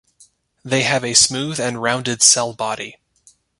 They have a smooth and rounded cell body.